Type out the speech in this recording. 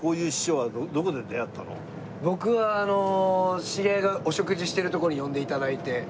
ナオキは僕はあの知り合いがお食事してるとこに呼んで頂いて。